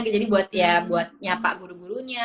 jadi buat nyapa gurunya